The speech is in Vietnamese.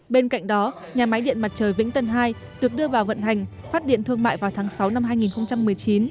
bên cạnh đó nhà máy điện mặt trời vĩnh tân hai được đưa vào vận hành phát điện thương mại vào tháng sáu năm hai nghìn một mươi chín